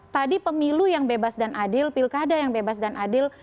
tadi pemilu yang bebas dan adil pilkada yang bebas dan adil